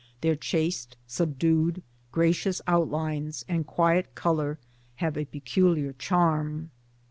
Their chaste subdued gracious outlines and quiet colour have a peculiar charm.